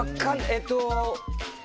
えっと。